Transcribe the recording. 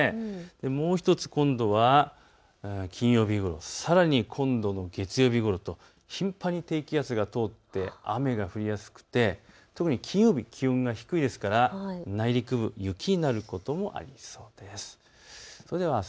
もう１つ今度は金曜日ごろ、さらに今度の月曜日ごろと頻繁に低気圧が通って雨が降りやすくて特に金曜日、気温が低いですから内陸部、雪になることもありそうです。